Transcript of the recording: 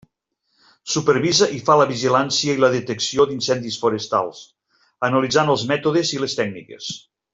Supervisa i fa la vigilància i la detecció d'incendis forestals, analitzant els mètodes i les tècniques.